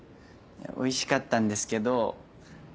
おいしかったんですけどあの。